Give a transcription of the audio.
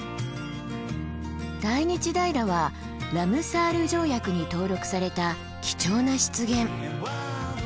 大日平はラムサール条約に登録された貴重な湿原。